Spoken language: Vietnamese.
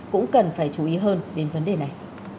cũng cần phải chú ý hơn đến vấn đề này